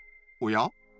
おや？